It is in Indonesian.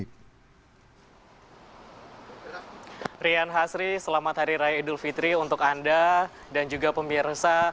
rian hasri selamat hari raya idul fitri untuk anda dan juga pemirsa